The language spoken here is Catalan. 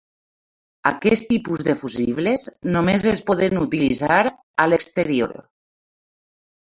Aquest tipus de fusibles només es poden utilitzar a l'exterior.